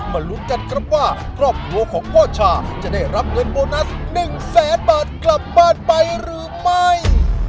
ลุ้นกันครับว่าครอบครัวของพ่อชาจะได้รับเงินโบนัส๑แสนบาทกลับบ้านไปหรือไม่